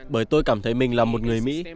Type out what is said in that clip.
bởi tôi cảm thấy mình là một người mỹ